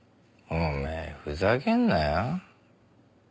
おめえふざけんなよ。